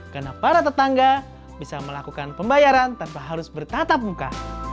karena para tetangga bisa melakukan pembayaran tanpa harus bertatap muka